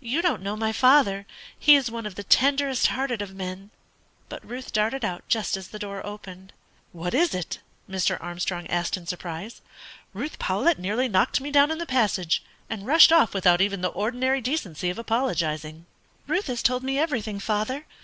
"You don't know my father; he is one of the tenderest hearted of men." But Ruth darted out just as the door opened. "What is it?" Mr. Armstrong asked in surprise. "Ruth Powlett nearly knocked me down in the passage, and rushed off without even the ordinary decency of apologising." "Ruth has told me everything, father.